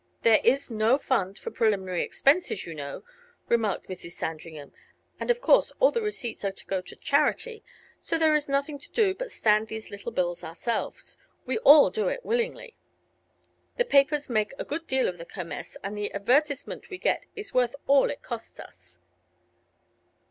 "There is no fund for preliminary expenses, you know," remarked Mrs. Sandringham, "and of course all the receipts are to go to charity; so there is nothing to do but stand these little bills ourselves. We all do it willingly. The papers make a good deal of the Kermess, and the advertisement we get is worth all it costs us."